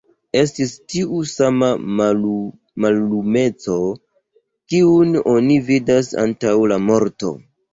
Estis tiu sama mallumeco, kiun oni vidas antaŭ la morto!